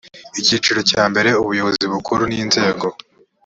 icyiciro cya mbere ubuyobozi bukuru n inzego